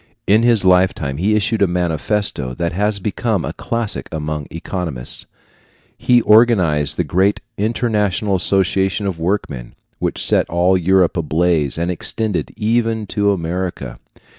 In his lifetime he issued a manifesto that has become a classic among economists. He organized the great International Association of Workmen, which set all Europe in a blaze and extended even to America.